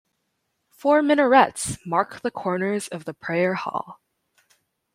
Four minarets mark the corners of the prayer hall.